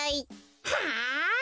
はあ？